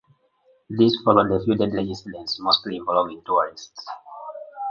This followed a few deadly incidents mostly involving tourists.